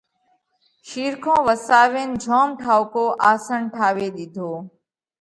شِيرکون وساوينَ جوم ٺائُوڪو آسنَ ٺاوي ۮِيڌو۔